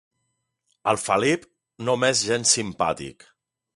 El Felip no m'és gens simpàtic.